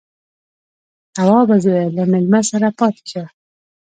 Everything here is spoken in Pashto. _توابه زويه، له مېلمه سره پاتې شه.